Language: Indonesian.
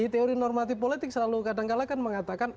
teori normatif politik selalu kadang kadang kan mengatakan